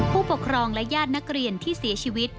ผู้ปกครองและญาตินักเรียนที่เสียชีวิต